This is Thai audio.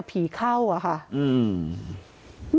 นี่รถไหม